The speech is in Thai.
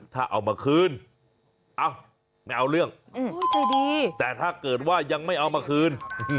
ถ้าเอามาคืนเอ้าไม่เอาเรื่องใจดีแต่ถ้าเกิดว่ายังไม่เอามาคืน